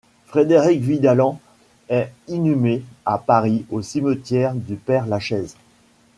Frédéric Vidalens est inhumé à Paris au cimetière du Père-Lachaise.